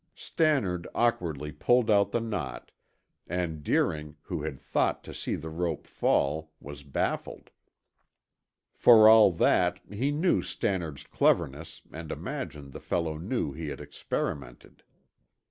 Stannard awkwardly pulled out the knot, and Deering, who had thought to see the rope fall, was baffled. For all that, he knew Stannard's cleverness and imagined the fellow knew he had experimented.